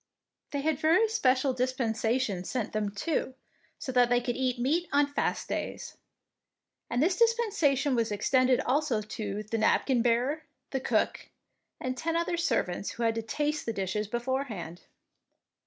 They had a special dispensation sent them, too, so that they could eat meat on fast days; and this dispensation was extended also to the napkin bearer, the cook, and ten other servants who had to taste the dishes beforehand.